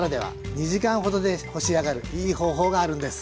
２時間ほどで干し上がるいい方法があるんです。